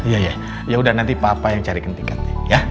iya ya yaudah nanti papa yang carikan tiketnya ya